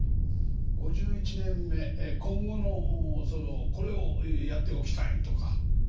５１年目今後のこれをやっておきたいとか。